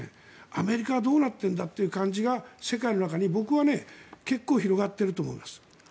アメリカはどうなってるんだって感じが世界の中に、僕は結構広がっていると思います。